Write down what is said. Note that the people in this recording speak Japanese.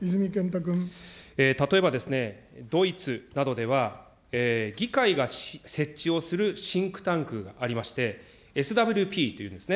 例えば、ドイツなどでは議会が設置をするシンクタンクがありまして、ＳＷＰというんですね。